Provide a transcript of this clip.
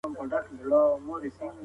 موږ باید له ټیکنالوژۍ ګټه واخلو.